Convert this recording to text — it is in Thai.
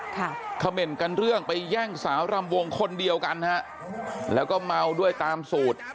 เขม่นกันเรื่องไปแย่งสาวรำวงคนเดียวกันฮะแล้วก็เมาด้วยตามสูตร